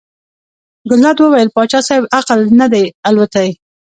ګلداد وویل پاچا صاحب عقل نه دی الوتی.